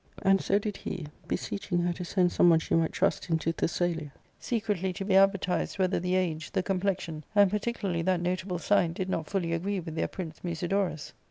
And so did he, beseeching her to send some one she might trust into Thessalia, secretly to be advertised whether the age, the complexion, and parti cularly that notable sign did not fully agree with their Prince Musidorus.'